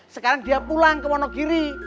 sekarang dia pulang ke wonogiri